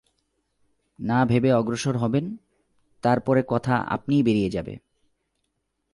না ভেবে অগ্রসর হবেন, তার পরে কথা আপনি বেরিয়ে যাবে।